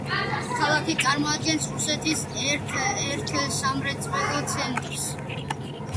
ქალაქი წარმოადგენს რუსეთის ერთ-ერთ სამრეწველო ცენტრს.